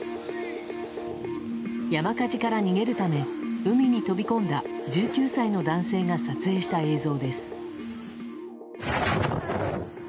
山火事から逃げるため海に飛び込んだ１９歳の男性が撮影した映像です。